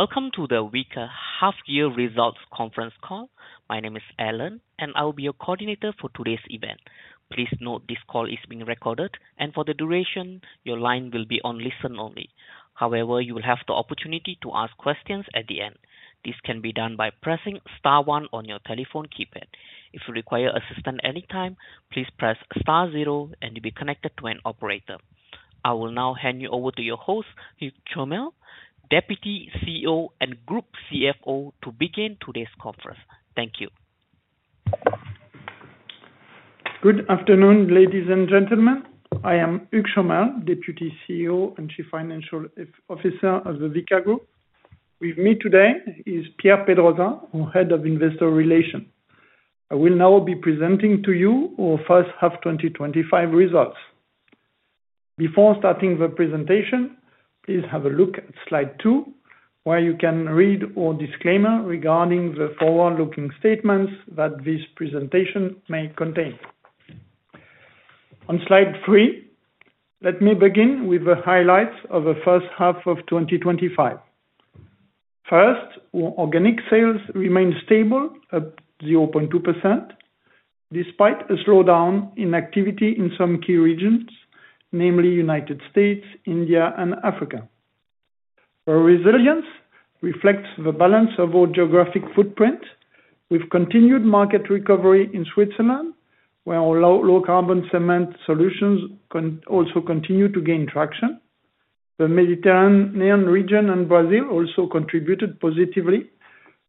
Welcome to the Vicat half year results conference call. My name is Alan and I will be your coordinator for today's event. Please note this call is being recorded, and for the duration your line will be on listen only. However, you will have the opportunity to ask questions at the end. This can be done by pressing star one on your telephone keypad. If you require assistance anytime, please press zero and you'll be connected to an operator. I will now hand you over to your host, Hugues Chomel, Deputy CEO and Group CFO, to begin today's conference. Thank you. Good afternoon ladies and gentlemen. I am Hugues Chomel, Deputy CEO and Chief Financial Officer of the Vicat Group. With me today is Pierre Pedrosa, our Head of Investor Relations. I will now be presenting to you our first half 2025 results. Before starting the presentation, please have a look at Slide 2 where you can read our disclaimer regarding the forward-looking statements that this presentation may contain on Slide 3. Let me begin with the highlights of the first half of 2025. First, organic sales remained stable, up 0.2% despite a slowdown in activity in some key regions, namely United States, India, and Africa. Our resilience reflects the balance of our geographic footprint with continued market recovery in Switzerland where our low carbon cement solutions also continue to gain traction. The Mediterranean region and Brazil also contributed positively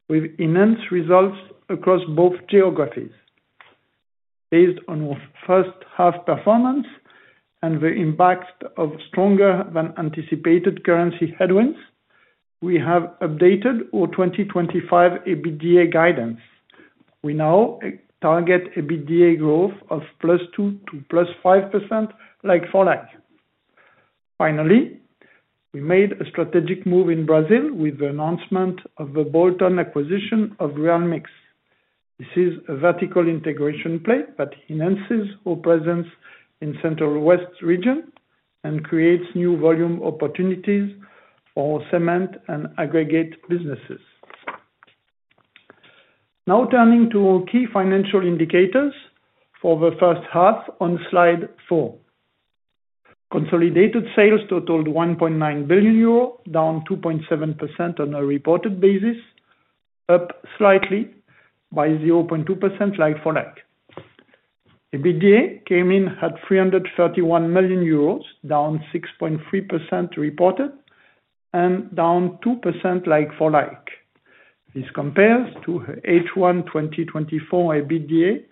with immense results across both geographies. Based on our first half performance and the impact of stronger than anticipated currency headwinds, we have updated our 2025 EBITDA guidance. We now target EBITDA growth of +2% to +5%. Like for like, finally, we made a strategic move in Brazil with the announcement of the bolt-on acquisition of REALMIX. This is a vertical integration play that enhances our presence in Central West region and creates new volume opportunities for cement and aggregate businesses. Now turning to our key financial indicators for the first half on Slide 4, consolidated sales totaled 1.9 billion euro, down 2.7% on a reported basis, up slightly by 0.2% like for like. EBITDA came in at 331 million euros, down 6.3% reported and down 2% like-for-like. This compares to H1 2024 EBITDA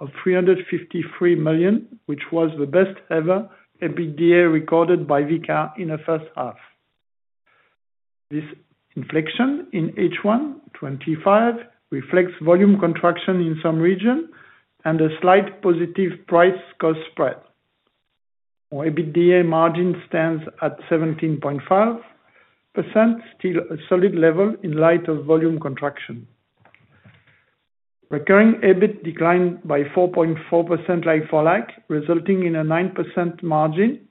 of 353 million, which was the best ever EBITDA recorded by Vicat in the first half. This inflection in H1 2025 reflects volume contraction in some regions and a slight positive price cost spread. Our EBITDA margin stands at 17.5%, still a solid level in light of volume contraction recurring. EBIT declined by 4.4% like for like, resulting in a 9% margin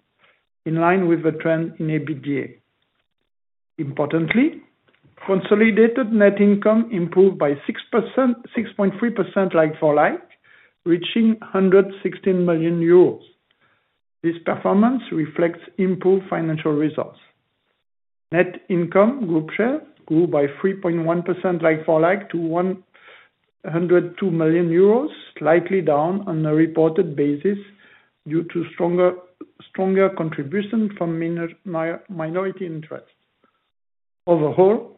in line with the trend in EBITDA. Importantly, consolidated net income improved by 6.3% like-for-like, reaching 116 million euros. This performance reflects improved financial results. Net income group share grew by 3.1% like-for-like to 102 million euros, slightly down on a reported basis due to stronger contribution from minority interests. Overall,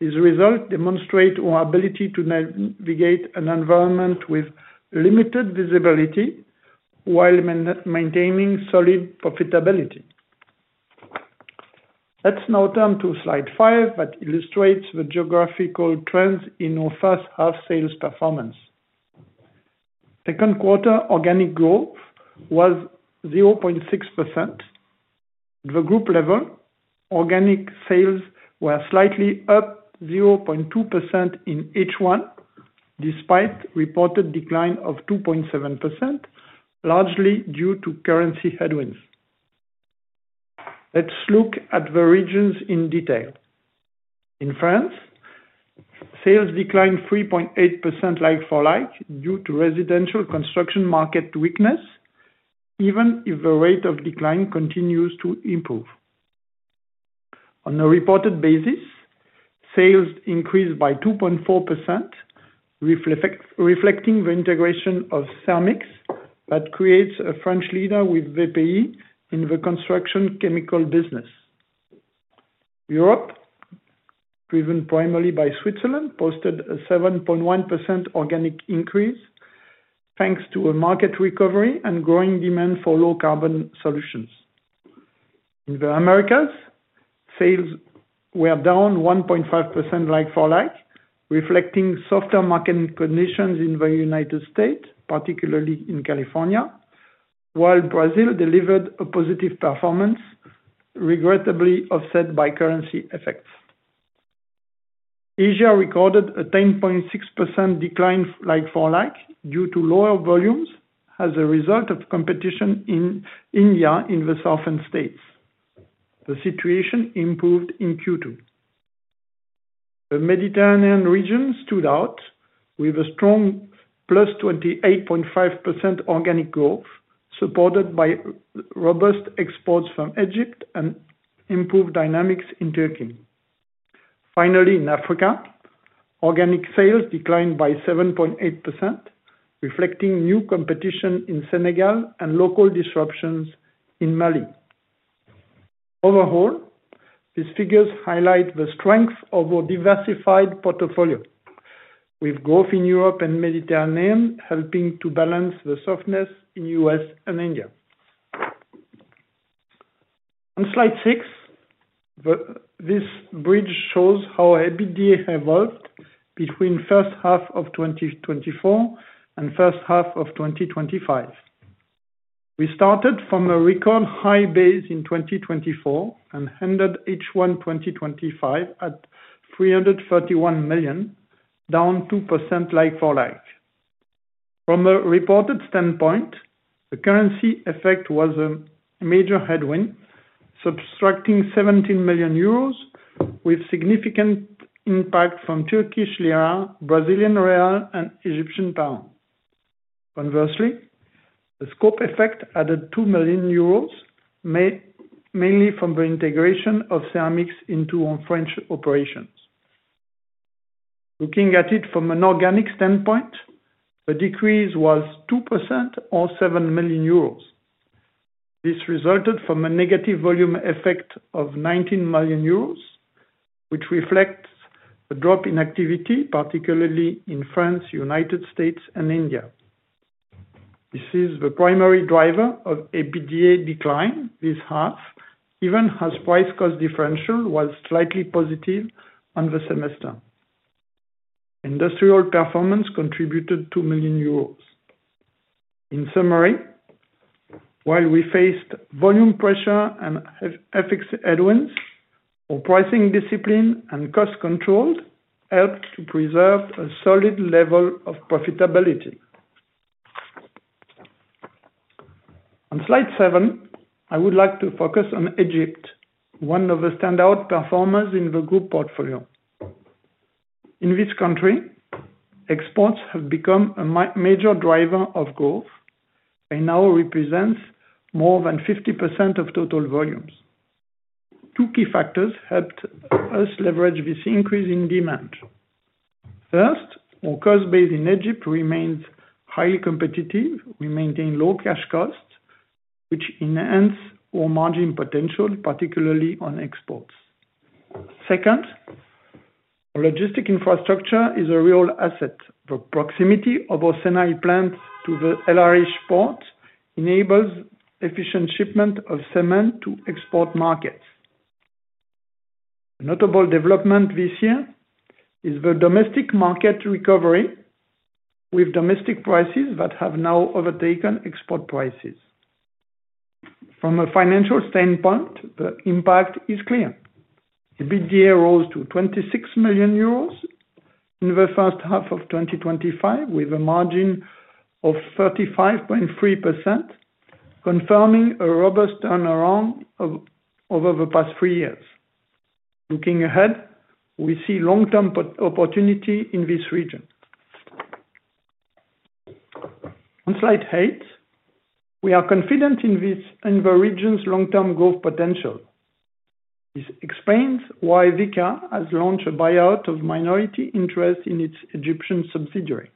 these results demonstrate our ability to navigate an environment with limited visibility while maintaining solid profitability. Let's now turn to Slide 5 that illustrates the geographical trends in Vicat's half sales performance. Second quarter organic growth was 0.6% at the group level, organic sales were slightly up 0.2% in each one despite reported decline of 2.7% largely due to currency headwinds. Let's look at the regions in detail. In France, sales declined 3.8% like-for-like due to residential construction market weakness. Even if the rate of decline continues to improve on a reported basis, sales increased by 2.4% reflecting the integration of Cermix that creates a French leader with Vicat in the construction chemical business. Europe, driven primarily by Switzerland, posted a 7.1% organic increase thanks to a market recovery and growing demand for low carbon solutions. In the Americas, sales were down 1.5% like-for-like reflecting softer market conditions in the United States, particularly in California, while Brazil delivered a positive performance regrettably offset by currency effects. Asia recorded a 10.6% decline like-for-like due to lower volumes as a result of competition in India. In the southern states, the situation improved in Q2. The Mediterranean region stood out with a strong +28.5% organic growth supported by robust exports from Egypt and improved dynamics in Turkey. Finally, in Africa, organic sales declined by 7.8%, reflecting new competition in Senegal and local disruptions in Mali. Overall, these figures highlight the strength of our diversified portfolio, with growth in Europe and Mediterranean helping to balance the softness in U.S. and India. On slide 6, this bridge shows how EBITDA evolved between first half of 2024 and first half of 2025. We started from a record high base in 2024 and ended H1 2025 at 331 million, down 2%. Like-for-like from a reported standpoint, the currency effect was a major headwind, subtracting 17 million euros with significant impact from Turkish lira, Brazilian real, and Egyptian pounds. Conversely, the scope effect added 2 million euros, mainly from the integration of Cermix into French operations. Looking at it from an organic standpoint, the decrease was 2% or 7 million euros. This resulted from a negative volume effect of 19 million euros which reflects a drop in activity particularly in France, United States, and India. This is the primary driver of EBITDA decline this half even as price cost differential was slightly positive on the semester, industrial performance contributed 2 million euros. In summary, while we faced volume pressure and FX headwinds, our pricing discipline and cost control help to preserve a solid level of profitability. On Slide 7, I would like to focus on Egypt, one of the standout performers in the group portfolio. In this country, exports have become a major driver of growth. They now represent more than 50% of total volumes. Two key factors helped us leverage this increase in demand. First, our cost base in Egypt remains highly competitive. We maintain low cash costs which enhance our margin potential, particularly on exports. Second, logistic infrastructure is a real asset. The proximity of our Sinai plant to the LRH port enables efficient shipment of cement to export markets. A notable development this year is the domestic market recovery with domestic prices that have now overtaken export prices. From a financial standpoint, the impact is clear. EBITDA rose to 26 million euros in the first half of 2025 with a margin of 35.3%, confirming a robust turnaround over the past three years. Looking ahead, we see long term opportunity in this region. On Slide 8, we are confident in the region's long term growth potential. This explains why Vicat has launched a buyout of minority interests in its Egyptian subsidiary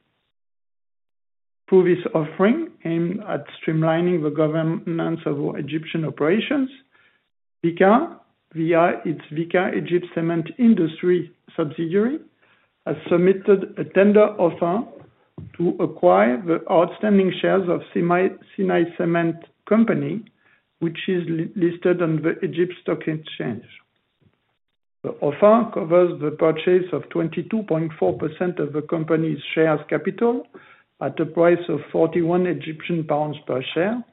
through this offering aimed at streamlining the governance of Egyptian operations. Vicat, via its Vicat Egypt Cement Industry subsidiary, has submitted a tender offer to acquire the outstanding shares of Sinai Cement Company, which is listed on the Egypt Stock Exchange. The offer covers the purchase of 22.4% of the company's share capital at a price of 41 Egyptian pounds per share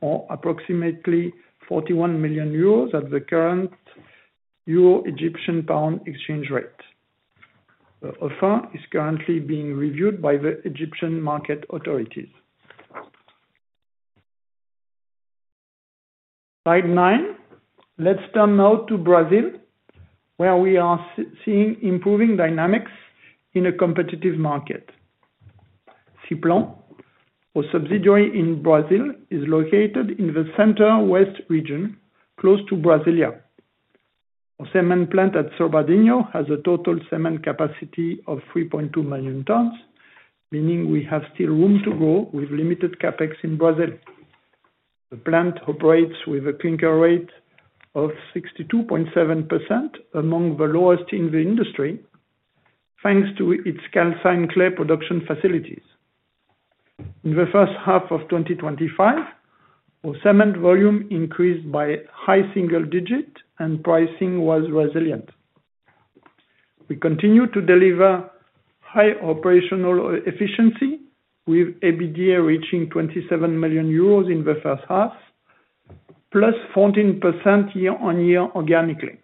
or approximately 41 million euros at the current euro/Egyptian pound exchange rate. The offer is currently being reviewed by the Egyptian market authorities. Slide 9, let's turn now to Brazil where we are seeing improving dynamics in a competitive market. CIPLAN, a subsidiary in Brazil, is located in the center-west region close to Brasilia. Our cement plant at Sobradinho has a total cement capacity of 3.2 million tons, meaning we have still room to grow with limited CapEx in Brazil. The plant operates with a clinker rate of 62.7%, among the lowest in the industry thanks to its calcined clay production facilities. In the first half of 2025, our cement volume increased by high single digit and pricing was resilient. We continue to deliver high operational efficiency with EBITDA reaching 27 million euros in the first half, plus 14% year-on-year organically.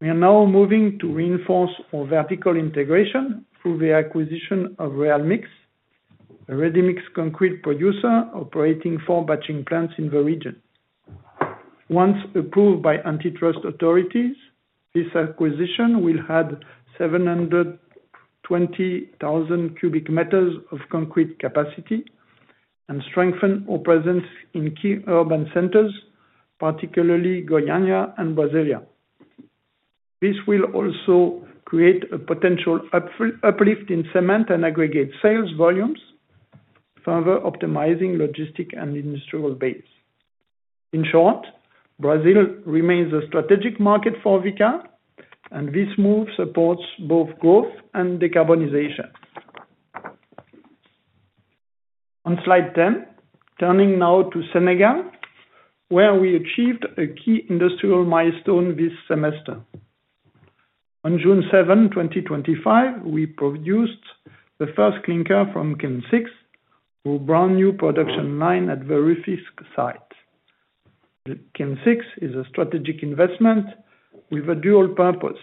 We are now moving to reinforce our vertical integration through the acquisition of REALMIX, a Ready-Mixed Concrete producer operating four batching plants in the region. Once approved by antitrust authorities, this acquisition will add 720,000 cu m of concrete capacity and strengthen our presence in key urban centers, particularly Goiânia and Brasília. This will also create a potential uplift in cement and aggregates sales volumes, further optimizing logistics and industrial base. In short, Brazil remains a strategic market for Vicat and this move supports both growth and decarbonization. On Slide 10, turning now to Senegal, we achieved a key industrial milestone this semester. On June 7, 2025, we produced the first clinker from Kiln 6, a brand new production line at the Rufisque site. Kiln 6 is a strategic investment with a dual purpose.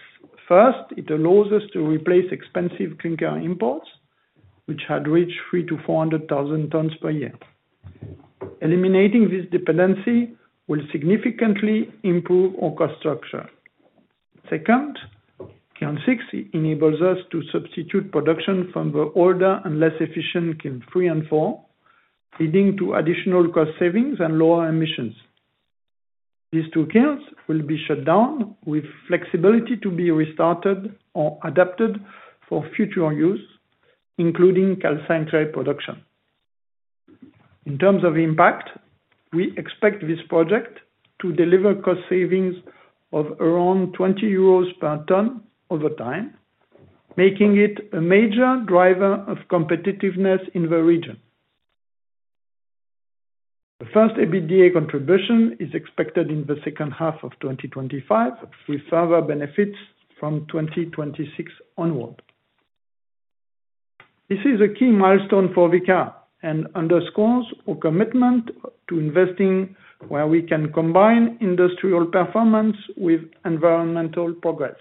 First, it allows us to replace expensive clinker imports which had reached 300,000-400,000 tons per year. Eliminating this dependency will significantly improve our cost structure. Second, Kiln 6 enables us to substitute production from the older and less efficient Kilns 3 and 4, leading to additional cost savings and lower emissions. These two kilns will be shut down with flexibility to be restarted or adapted for future use, including calcined clay production. In terms of impact, we expect this project to deliver cost savings of around 20 euros per ton over time, making it a major driver of competitiveness in the region. The first EBITDA contribution is expected in the second half of 2025 with further benefits from 2026 onward. This is a key milestone for Vicat and underscores our commitment to investing where we can combine industrial performance with environmental progress.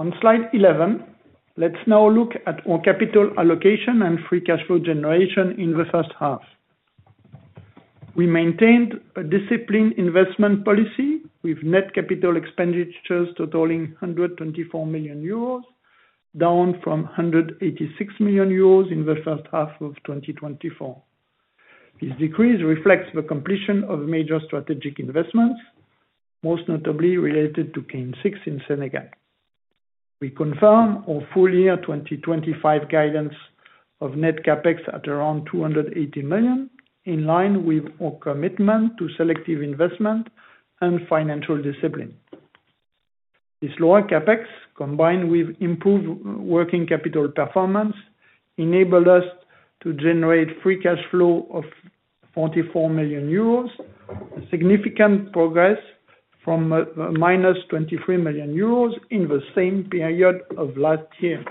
On Slide 11, let's now look at our capital allocation and free cash flow generation. In the first half, we maintained a disciplined investment policy with net capital expenditures totaling 124 million euros, down from 186 million euros in the first half of 2024. This decrease reflects the completion of major strategic investments, most notably related to Kiln 6 in Senegal. We confirm our full year 2025 guidance of net CapEx at around 280 million, in line with our commitment to selective investment and financial discipline. This lower CapEx, combined with improved working capital performance, enabled us to generate free cash flow of 44 million euros, significant progress from -23 million euros in the same period of last year.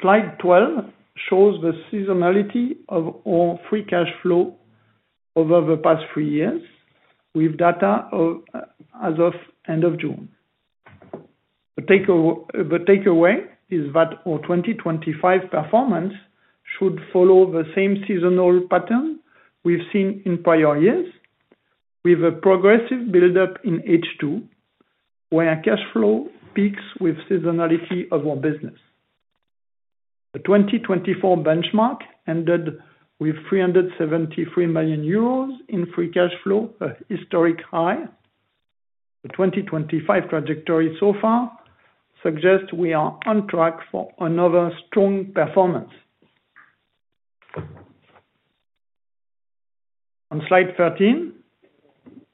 Slide 12 shows the seasonality of all free cash flow over the past three years with data as of end of June. The takeaway is that our 2025 performance should follow the same seasonal pattern we've seen in prior years with a progressive buildup in H2, where cash flow peaks with seasonality of our business. The 2024 benchmark ended with 373 million euros in free cash flow, a historic high. The 2025 trajectory so far suggests we are on track for another strong performance. On Slide 13,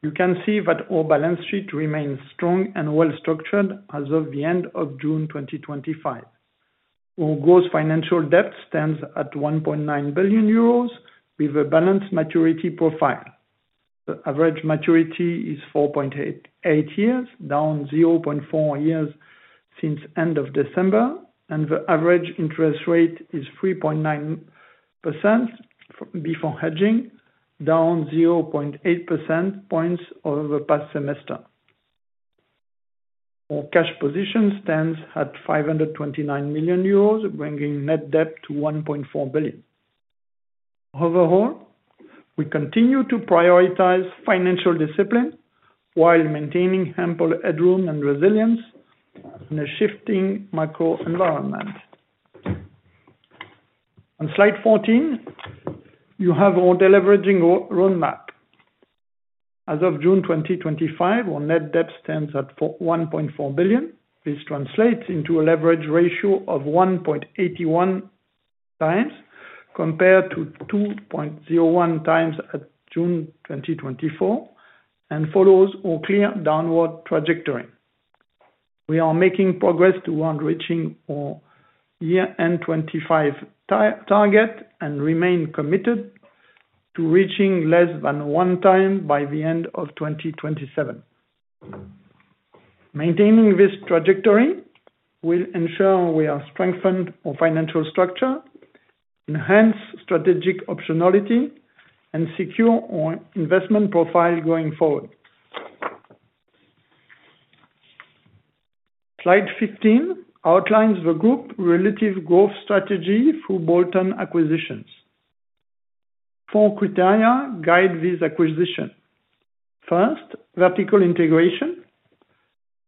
you can see that our balance sheet remains strong and well structured as of end of June 2025. Our financial debt stands at 1.9 billion euros with a balanced maturity profile. The average maturity is 4.88 years, down 0.4 years since end of December, and the average interest rate is 3.9% before hedging, down 0.8% points over the past semester. Our cash position stands at 529 million euros, bringing net debt to 1.4 billion. Overall, we continue to prioritize financial discipline while maintaining ample headroom and resilience in a shifting macro environment. On Slide 14 you have our deleveraging roadmap. As of June 2025, our net debt stands at 1.4 billion. This translates into a leverage ratio of 1.81x compared to 2.01x at June 2024 and follows a clear downward trajectory. We are making progress toward reaching our year end 2025 target and remain committed to reaching less than one time by the end of 2027. Maintaining this trajectory will ensure we have strengthened our financial structure, enhanced strategic optionality and secured our investment profile going forward. Slide 15 outlines the group relative growth strategy through bolt-on acquisitions. Four criteria guide this acquisition. First, vertical integration.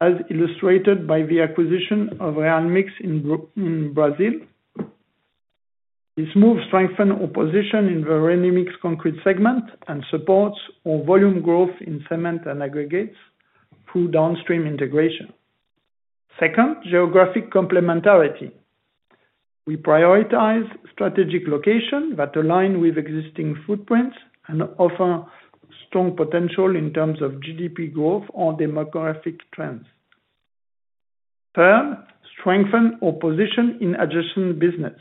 As illustrated by the acquisition of REALMIX in Brazil, this move strengthens our position in the Ready-Mixed Concrete segment and supports volume growth in Cement and Aggregates through downstream integration. Second, geographic complementarity. We prioritize strategic locations that align with existing footprints and offer strong potential in terms of GDP growth or demographic trends. Third, strengthen our position in adjacent business.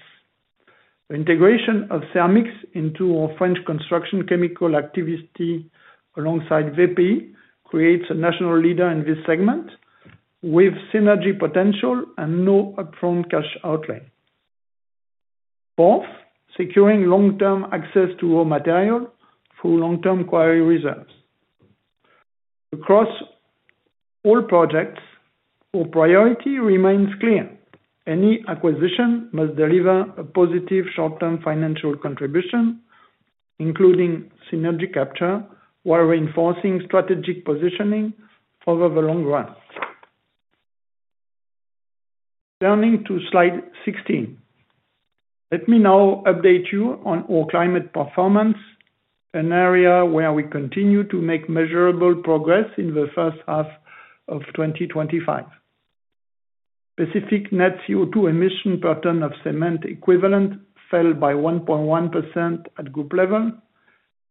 The integration of Cermix into our French construction chemical activity alongside VEPI creates a national leader in this segment with synergy potential and no upfront cash outlay. Fourth, securing long-term access to raw material through long-term quarry reserves. Across all projects, our priority remains clear. Any acquisition must deliver a positive short-term financial contribution including synergy capture while reinforcing strategic positioning over the long run. Turning to Slide 16, let me now update you on our climate performance, an area where we continue to make measurable progress. In the first half of 2025, Vicat net CO₂ emissions per ton of cement equivalent fell by 1.1% at group level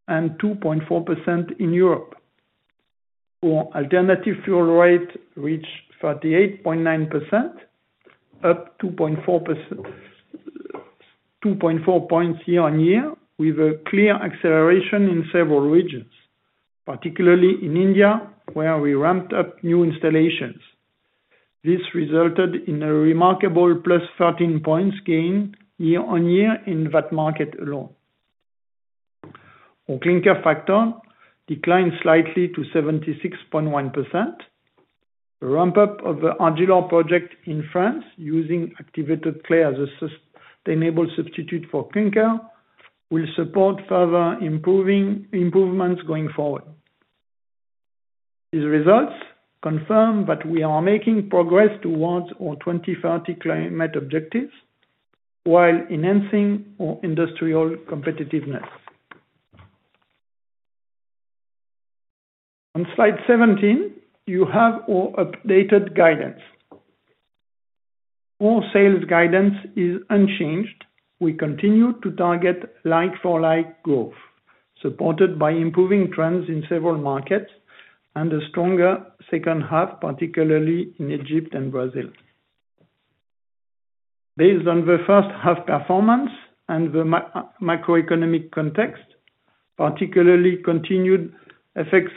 and 2.4% in Europe. Our alternative fuel rate reached 38.9%, up 2.4 points year-on-year, with a clear acceleration in several regions, particularly in India where we ramped up new installations. This resulted in a remarkable 13 points gain year-on-year. In that market alone, our clinker factor declined slightly to 76.1%. The ramp-up of the Argilor project in France using activated clay as a sustainable substitute for clinker will support further improvements going forward. These results confirm that we are making progress towards our 2030 climate objectives while enhancing our industrial competitiveness. On Slide 17, you have our updated guidance. Our sales guidance is unchanged. We continue to target like-for-like growth supported by improving trends in several markets and a stronger second half, particularly in Egypt and Brazil. Based on the first half performance and the macroeconomic context, particularly continued FX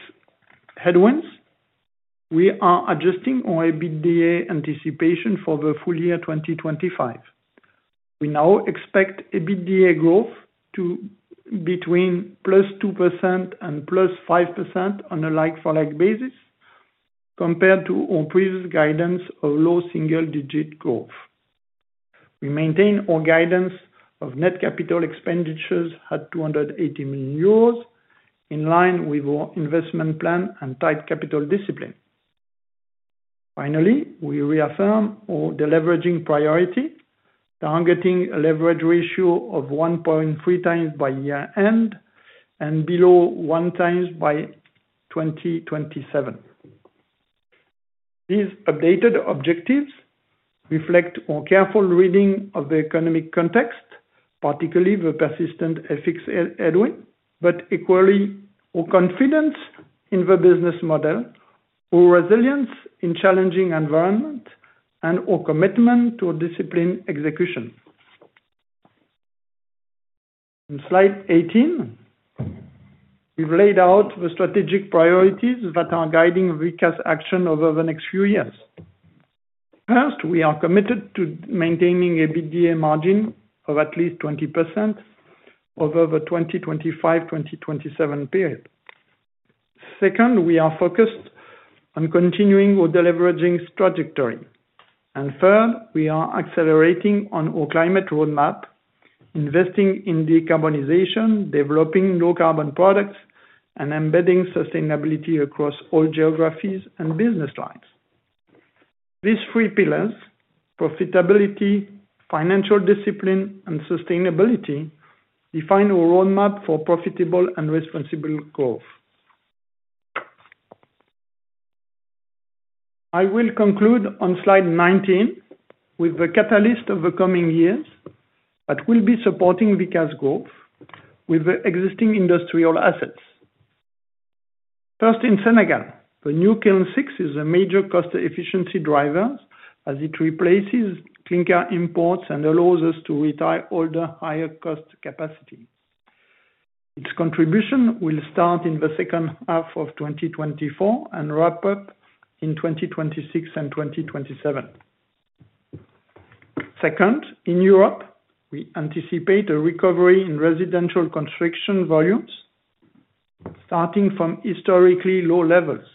headwinds, we are adjusting our EBITDA anticipation for the full year 2025. We now expect EBITDA growth to be between 2% and 5% on a like-for-like basis compared to our previous guidance of low single-digit growth. We maintain our guidance of net capital expenditures at 280 million euros in line with our investment plan and tight capital discipline. Finally, we reaffirm our deleveraging priority, targeting a leverage ratio of 1.3x by year end and below 1x by 2027. These updated objectives reflect more careful reading of the economic context, particularly the persistent FX headwind, but equally our confidence in the business model, our resilience in a challenging environment, and our commitment to our disciplined execution. On Slide 18, we've laid out the strategic priorities that are guiding Vicat's action over the next few years. First, we are committed to maintaining EBITDA margin of at least 20% over the 2025, 2027 period. Second, we are focused on continuing our deleveraging trajectory, and third, we are accelerating on our climate roadmap, investing in decarbonization, developing low carbon products, and embedding sustainability across all geographies and business lines. These three pillars, profitability, financial discipline, and sustainability, define a roadmap for profitable and responsible growth. I will conclude on Slide 19 with the catalysts of the coming years that will be supporting Vicat's growth with the existing industrial assets. First, in Senegal, the new Kiln 6 is a major cost efficiency driver as it replaces clinker imports and allows us to retire older, higher cost capacities. Its contribution will start in the second half of 2024 and wrap up in 2026 and 2027. Second, in Europe, we anticipate a recovery in residential construction volumes starting from historically low levels.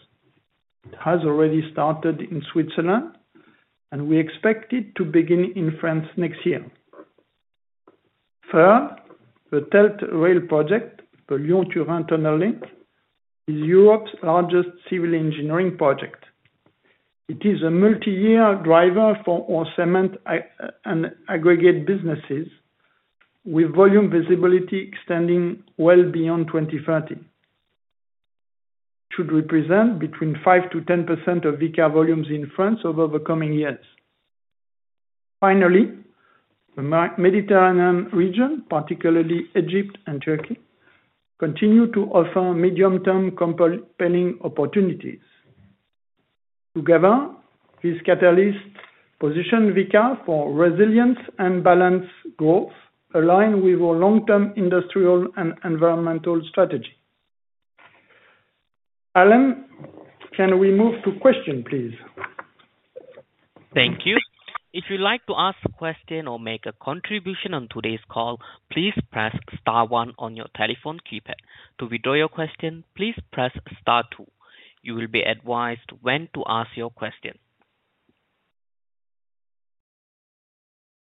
It has already started in Switzerland, and we expect it to begin in France next year. Third, the TELT rail project, the Lyon-Turin Tunnel link, is Europe's largest civil engineering project. It is a multi-year driver for all cement and aggregate businesses, with volume visibility extending well beyond 2030 and should represent between 5%-10% of Vicat volumes in France over the coming years. Finally, the Mediterranean region, particularly Egypt and Turkey, continue to offer medium-term compelling opportunities. Together, these catalysts position Vicat for resilience and balanced growth aligned with our long-term industrial and environmental strategy. Alan, can we move to questions please? Thank you. If you'd like to ask a question or make a contribution on today's call, please press star one on your telephone keypad. To withdraw your question, please press star two. You will be advised when to ask your question.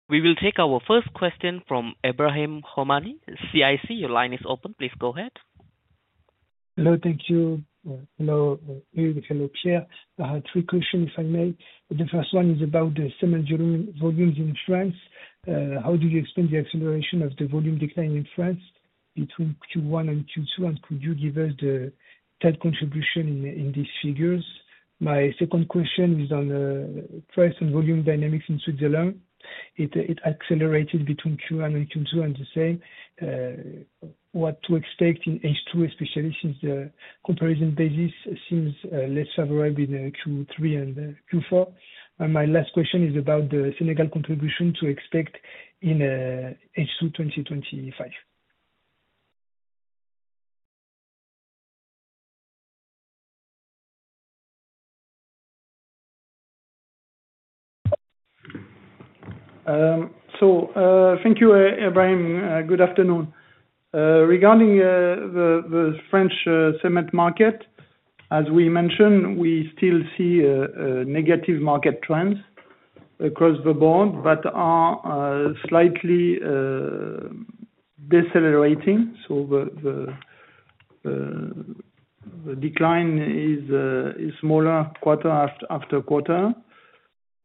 We will take our first question from Ebrahim Homani, CIC. Your line is open. Please go ahead. Hello. Thank you. Hello Pierre. I have three questions if I may. The first one is about the cement volumes in France. How do you explain the acceleration of the volume decline in France between Q1 and Q2, and could you give us the tight contribution in these figures? My second question is on price and volume dynamics in Switzerland. It accelerated between Q1 and Q2, and the same what to expect in H2, especially since the comparison basis seems less favorable in Q3 and Q4. My last question is about the Senegal contribution to expect in H2 2025. Thank you, Ibrahim. Good afternoon. Regarding the French cement market, as we mentioned, we still see negative market trends across the board but are slightly decelerating, so the decline is smaller quarter after quarter.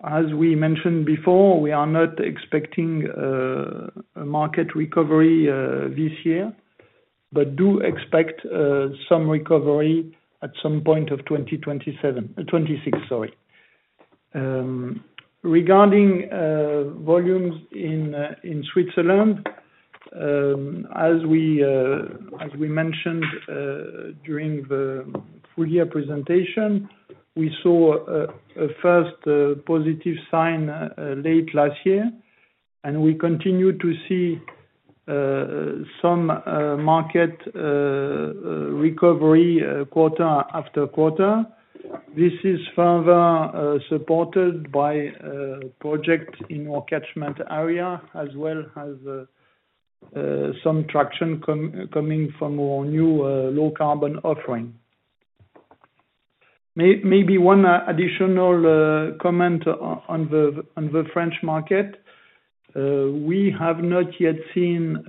As we mentioned before, we are not expecting a market recovery this year, but do expect some recovery at some point of 2027, 2026, sorry. Regarding volumes in Switzerland, as we mentioned during the full year presentation, we saw a first positive sign late last year and we continue to see some market recovery quarter after quarter. This is further supported by projects in our catchment area as well as some traction coming from our new low carbon offering. Maybe one additional comment on the French market, we have not yet seen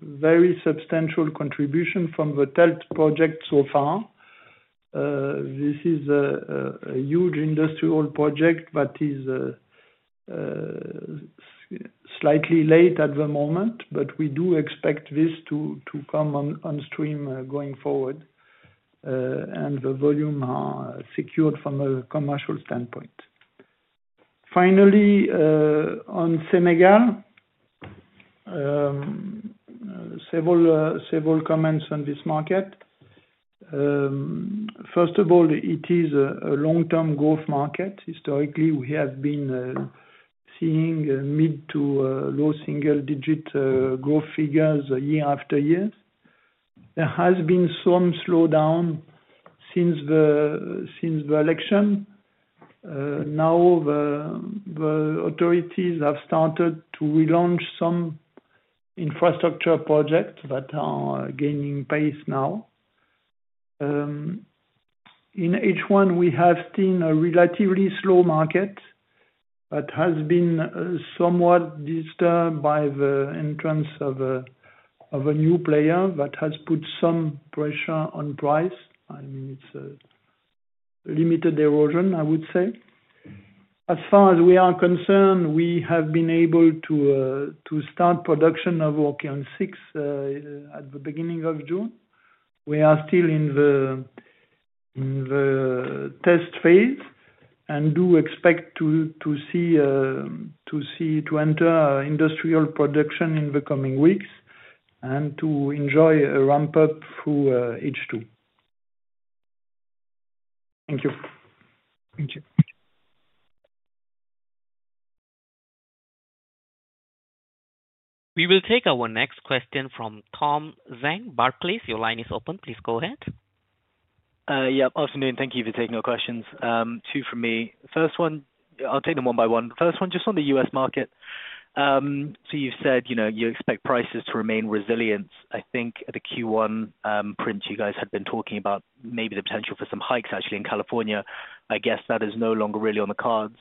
very substantial contribution from the TELT project so far. This is a huge industrial project that is slightly late at the moment, but we do expect this to come on stream going forward and the volume secured from a commercial standpoint. Finally, on Senegal, several comments on this market. First of all, it is a long-term growth market. Historically, we have been seeing mid to low single digit growth figures year-after-year. There has been some slowdown since the election. Now the authorities have started to relaunch some infrastructure projects that are gaining pace now. In H1, we have seen a relatively slow market but it has been somewhat disturbed by the entrance of a new player that has put some pressure on price. I mean, it's a limited erosion, I would say as far as we are concerned. We have been able to start production of Kiln 6 at the beginning of June. We are still in the test phase and do expect to enter industrial production in the coming weeks and to enjoy a ramp up through H2. Thank you. Thank you. We will take our next question from Tom Zhang, Barclays. Your line is open. Please go ahead. Yeah, afternoon. Thank you for taking your questions. Two from me. First one, I'll take them one by one. First one just on the U.S. market. You've said, you know, you expect prices to remain resilient. I think the Q1 print you guys had been talking about maybe the potential for some hikes actually in California, I guess that is no longer really on the cards.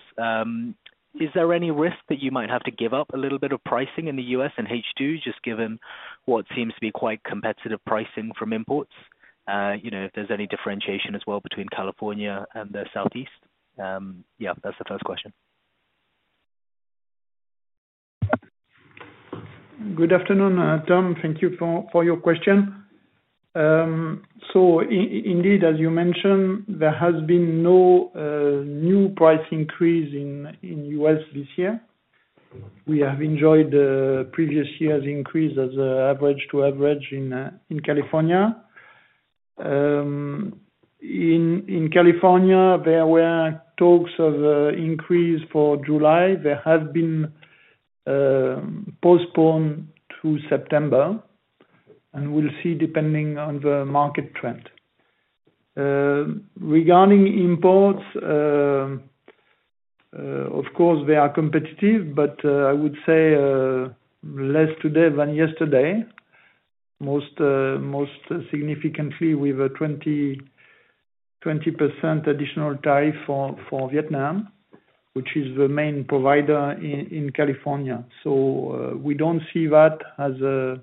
Is there any risk that you might have to give up a little bit of pricing in the U.S. in H2 just given what seems to be quite competitive pricing from imports, you know, if there's any differentiation as well between California and the Southeast? Yeah, that's the first question. Good afternoon Tom, thank you for your question. Indeed, as you mentioned, there has been no new price increase in the U.S. this year. We have enjoyed previous year's increase as average to average in California. In California, there were talks of increase for July. They have been postponed to September, and we'll see depending on the market trend. Regarding imports, of course they are competitive, but I would say less today than yesterday, most significantly with a 20% additional tariff for Vietnam, which is the main provider in California. We don't see that as a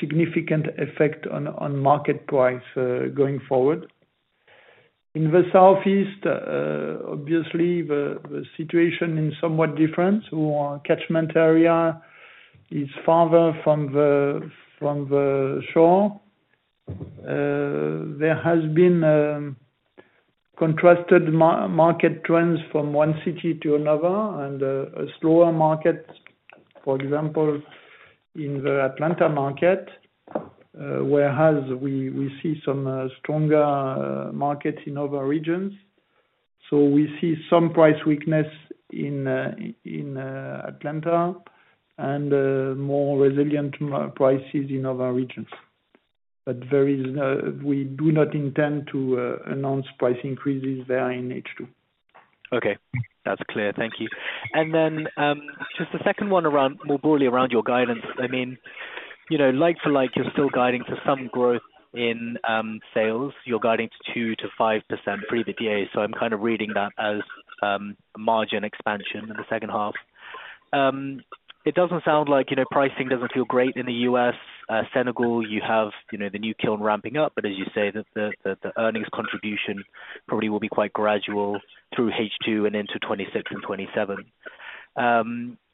significant effect on market price going forward in the Southeast. Obviously, the situation is somewhat different. Catchment area is farther from the shore. There have been contrasted market trends from one city to another and a slower market. For example, in the Atlanta market, whereas we see some stronger markets in other regions. We see some price weakness in Atlanta and more resilient prices in other regions. There is, we do not intend to announce price increases there in H2. Okay, that's clear, thank you. Just the second one, more broadly around your guidance, I mean, you know, like-for-like you're still guiding for some growth in sales. You're guiding to 2%-5% pre-EBITDA. I'm kind of reading that as margin expansion in the second half. It doesn't sound like, you know, pricing doesn't feel great in the U.S. Senegal, you have, you know, the new kiln ramping up. As you say, the earnings contribution probably will be quite gradual through H2 and into 2026 and 2027.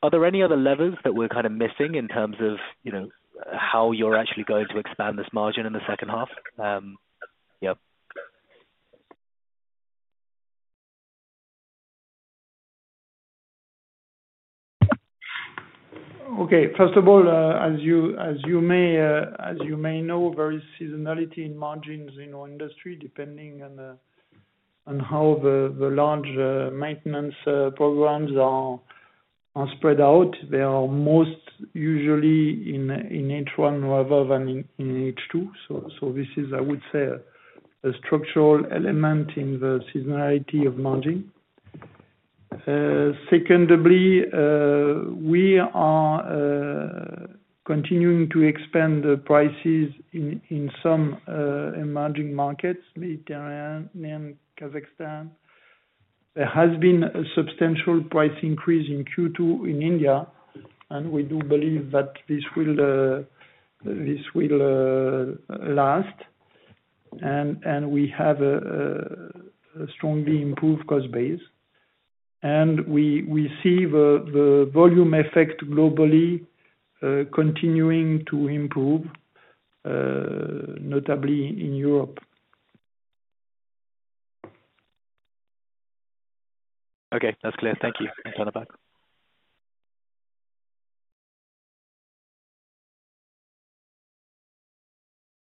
Are there any other levers that we're kind of missing in terms of, you know, how you're actually going to expand this margin in the second half? Yeah. Okay. First of all, as you may know, there is very strong seasonality in margins in our industry, depending on how the large maintenance programs are spread out. They are most usually in H1 rather than in H2. This is, I would say, a structural element in the seasonality of margin. Secondly, we are continuing to expand the prices in some emerging markets. Mediterranean, Kazakhstan, there has been a substantial price increase in Q2 in India. We do believe that this will last. We have a strongly improved cost base and we see the volume effect globally continuing to improve, notably in Europe. Okay, that's clear. Thank you. I'll turn it back.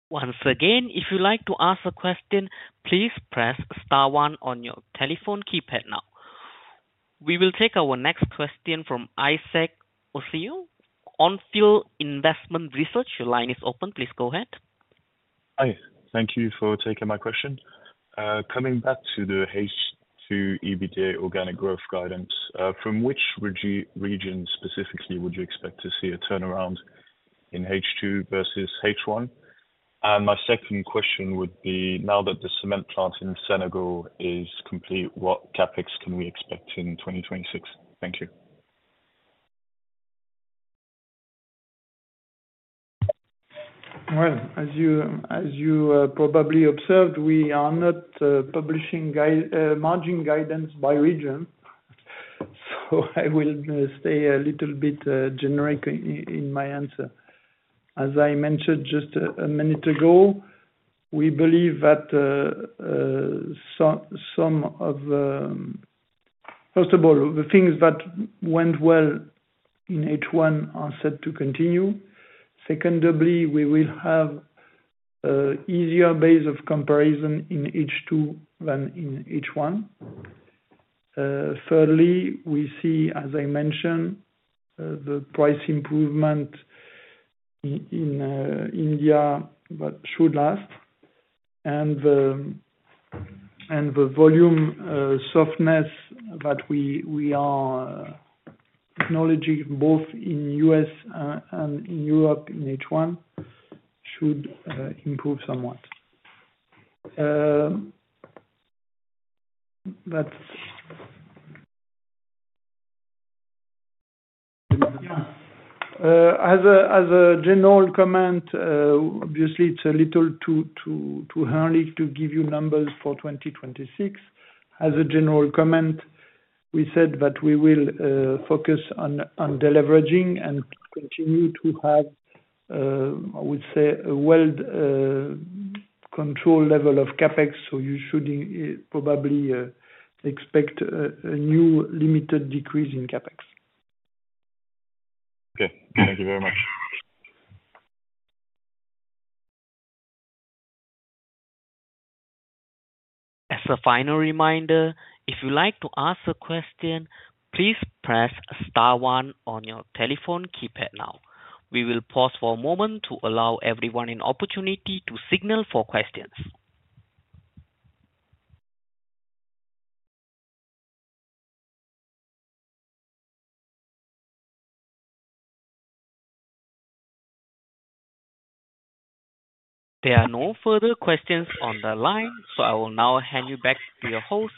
Once again, if you would like to ask a question, please press star one on your telephone keypad. Now we will take our next question from Isaac Ocio of Field Investment Research. Your line is open. Please go ahead. Hi, thank you for taking my question. Coming back to the EBITDA organic growth guidance, from which region specifically would you expect to see a turnaround in H2 versus H1? My second question would be, now that the cement plant in Senegal is complete, what CapEx can we expect in 2026? Thank you. As you probably observed, we are not publishing margin guidance by region, so I will stay a little bit generic in my answer. As I mentioned just a minute ago, we believe that some of the things that went well in H1 are set to continue. We will have an easier base of comparison in H2 than in H1. We see, as I mentioned, the price improvement in India that should last, and the volume softness that we are acknowledging both in the U.S. and in Europe in H1 should improve somewhat. As a general comment, obviously it's a little too early to give you numbers for 2026. As a general comment, we said that we will focus on deleveraging and continue to have, I would say, a well-controlled level of CapEx. You should probably expect a new limited decrease in CapEx. Okay, thank you very much. As a final reminder, if you would like to ask a question, please press star one on your telephone keypad. Now we will pause for a moment to allow everyone an opportunity to signal for questions. There are no further questions on the line, so I will now hand you back to your host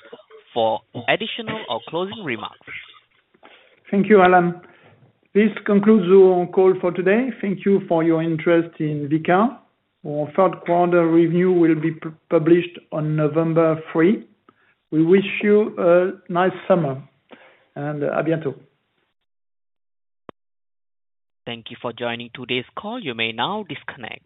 for additional or closing remarks. Thank you, Alan. This concludes our call for today. Thank you for your interest in Vicat. Our third quarter review will be published on November 3. We wish you a nice summer and à bientôt. Thank you for joining today's call. You may now disconnect.